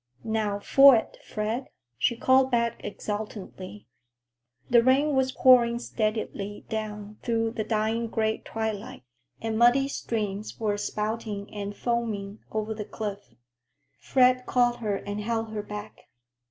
"Now for it, Fred," she called back exultantly. The rain was pouring steadily down through the dying gray twilight, and muddy streams were spouting and foaming over the cliff. Fred caught her and held her back.